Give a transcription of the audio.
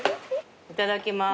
いただきます。